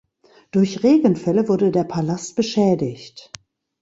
Durch Regenfälle wurde der Palast beschädigt.